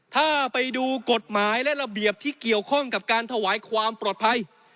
ถ้าไปดูกฎหมายและระเบียบที่เกี่ยวข้องกับการถวายความปลอดภัย